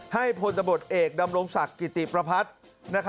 ให้พลตำรวจเอกดำรงศักดิ์กิติประพัทย์